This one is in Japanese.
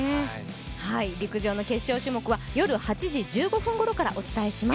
陸上の決勝種目は８時１５分頃からお伝えします。